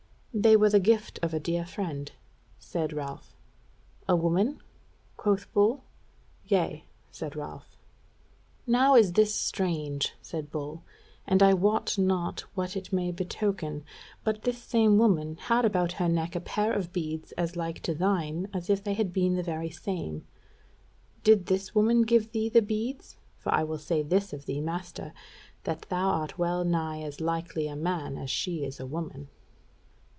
"They were the gift of a dear friend," said Ralph. "A woman?" quoth Bull. "Yea," said Ralph. "Now is this strange," said Bull, "and I wot not what it may betoken, but this same woman had about her neck a pair of beads as like to thine as if they had been the very same: did this woman give thee the beads? For I will say this of thee, master, that thou art well nigh as likely a man as she is a woman."